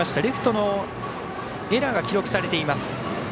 レフトのエラーが記録されています。